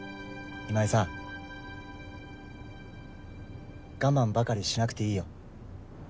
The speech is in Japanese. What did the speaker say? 今井さん我慢ばかりしなくていいよ。